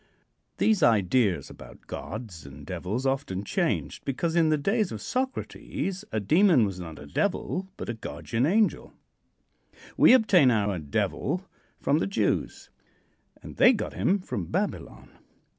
These ideas about gods and devils often changed, because in the days of Socrates a demon was not a devil, but a guardian angel. We obtain our Devil from the Jews, and they got him from Babylon.